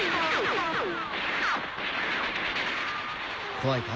怖いか？